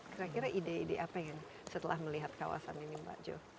kira kira ide ide apa yang setelah melihat kawasan ini mbak jo